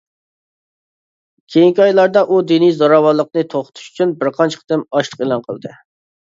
كېيىنكى ئايلاردا ئۇ دىنىي زوراۋانلىقنى توختىتىش ئۈچۈن بىر قانچە قېتىم ئاچلىق ئېلان قىلدى.